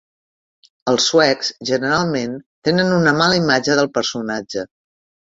Els suecs, generalment, tenen una mala imatge del personatge.